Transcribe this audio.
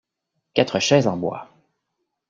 Quatre chaises en bois.